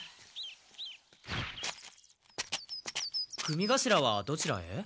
組頭はどちらへ？